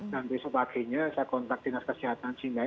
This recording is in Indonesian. dan besok paginya saya kontak dinas kesehatan cimahi